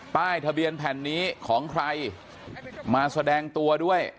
ป้ายทะเบียนแผ่นนี้ของใครมาแสดงตัวด้วย